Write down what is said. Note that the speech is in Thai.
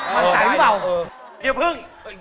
ไม่กินเป็นร้อย